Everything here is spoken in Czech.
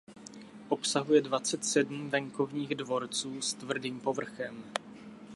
Obsahuje dvacet sedm venkovních dvorců s tvrdým povrchem.